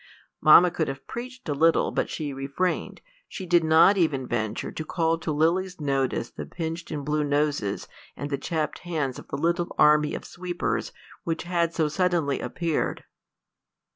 Mamma could have preached a little, but she refrained. She did not even venture to call to Lily's notice the pinched and blue noses and the chapped hands of the little army of sweepers which had so suddenly appeared.